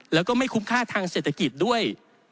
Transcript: แล้วก็ไม่คุ้มค่าทางเศรษฐกิจด้วย